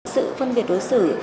sự phân biệt đối xử